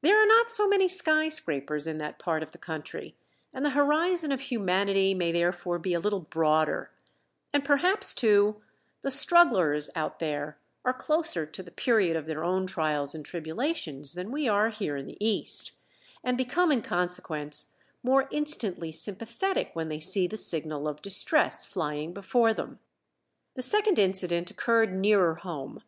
There are not so many sky scrapers in that part of the country, and the horizon of humanity may therefore be a little broader; and perhaps too the strugglers out there are closer to the period of their own trials and tribulations than we are here in the East, and become in consequence more instantly sympathetic when they see the signal of distress flying before them. The second incident occurred nearer home.